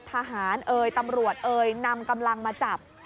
เอ่ยตำรวจเอ่ยนำกำลังมาจับ